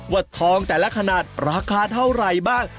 ทองแต่ละขนาดราคาเท่าไหร่บ้าง